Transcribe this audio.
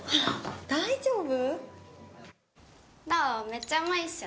・大丈夫？